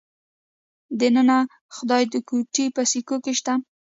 د ننه خدایګوټې په سکو کې شته